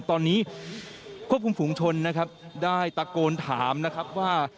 ตอนนี้ควบคุมฝุงชนนะครับได้ตะโกนถามนะครับว่า